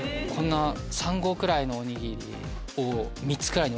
３合くらいのおにぎりを３つくらいに分けて。